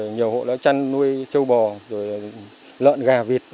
nhiều hộ đã chăn nuôi châu bò rồi lợn gà vịt